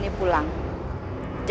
seperti permintaan nyai